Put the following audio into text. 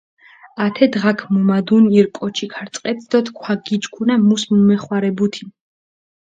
ათე დღაქ მუმადუნ ირ კოჩი ქარწყეთ დო თქვა გიჩქუნა, მუს მემეხვარებუთინ.